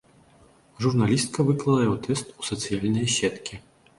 Журналістка выклала яго тэкст у сацыяльныя сеткі.